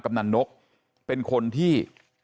กำนันนกเป็นคนที่